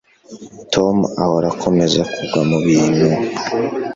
Tom ahora akomeza kugwa mubintu.